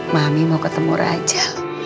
mami mau ketemu raja